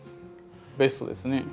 ベストですね。